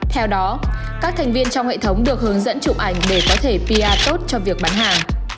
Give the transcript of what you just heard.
theo đó các thành viên trong hệ thống được hướng dẫn chụp ảnh để có thể pr tốt cho việc bán hàng